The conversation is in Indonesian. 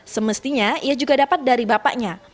semestinya ia juga dapat dari bapaknya